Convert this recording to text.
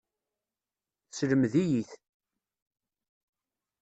Teslemed-iyi-t.